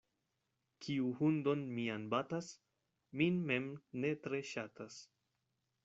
Kiu hundon mian batas, min mem ne tre ŝatas.